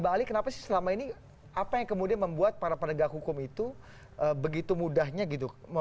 bang ali kenapa sih selama ini apa yang kemudian membuat para penegak hukum itu begitu mudahnya gitu